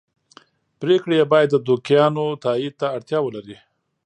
پرېکړې یې باید د دوکیانو تایید ته اړتیا ولري